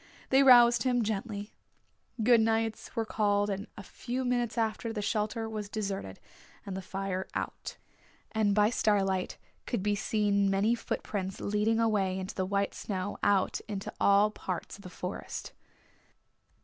They roused him gently. Good nights were called and a few minutes after, the shelter was deserted, and the fire out. And by starlight could be seen many footprints leading away in the white snow out into all parts of the Forest.